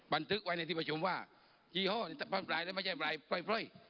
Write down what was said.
บันทึกไว้ในที่ประชุมว่ายี่ห้อบ้านปลายแล้วไม่ใช่ปลายปล่อย